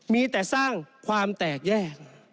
มีแต่สร้างความแตกแยก